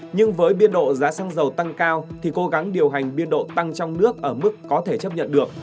nhưng với biên độ giá xăng dầu tăng cao thì cố gắng điều hành biên độ tăng trong nước ở mức có thể chấp nhận được